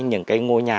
những cái ngôi nhà